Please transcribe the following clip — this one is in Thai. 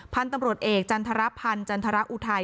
พันตำรวจเอกจันทรภัณฑ์จันทรอุไท